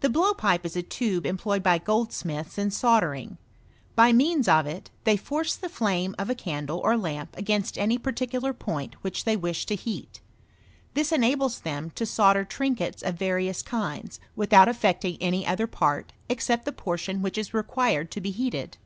The blowpipe is a tube employed by goldsmiths in soldering. By means of it, they force the flame of a candle or lamp against any particular point which they wish to heat. This enables them to solder trinkets of various kinds, without affecting any other part except the portion which is required to be heated.